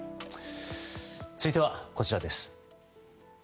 続いては、こちらです。